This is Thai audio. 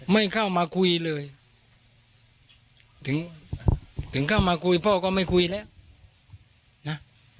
ไม่เข้ามาคุยเลยถึงถึงเข้ามาคุยพ่อก็ไม่คุยแล้วนะ